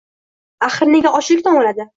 Axir... nega ochliqdan o‘ladi?